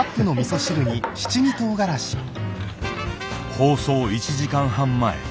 放送１時間半前。